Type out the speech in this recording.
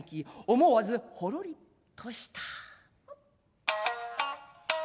思わずほろりとした。